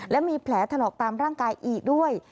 และมีแผลถลอกตามร่างกายอีกด้วย